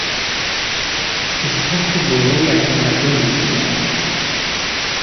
به سطح بالایی از تمدن رسیدند.